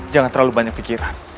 jangan terlalu banyak pikiran